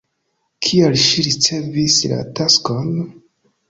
Kial ŝi ricevis la taskon?